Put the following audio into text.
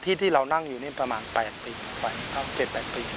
ที่ที่เรานั่งอยู่นี่ประมาณ๗๘ปีแล้ว